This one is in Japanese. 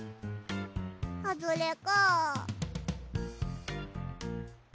はずれか。